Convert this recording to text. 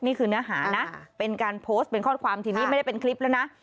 นี่คือเนื้อหานะเป็นการโพสต์เป็นข้อความทีนี้ไม่ได้เป็นคลิปแล้วนะ